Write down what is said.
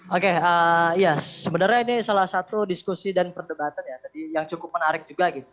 oke ya sebenarnya ini salah satu diskusi dan perdebatan ya tadi yang cukup menarik juga gitu